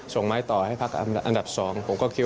ส่งไม้ต่อให้พักอันดับสอง